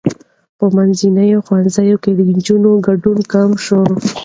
په منځني ښوونځي کې د نجونو ګډون کم شوی.